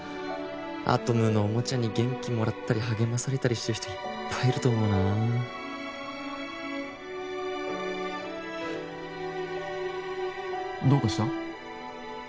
アトムのおもちゃに元気もらったり励まされたりしてる人いっぱいいると思うなどうかした？